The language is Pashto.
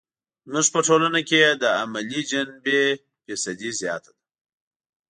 زموږ په ټولنه کې یې د عملي جنبې فیصدي زیاته ده.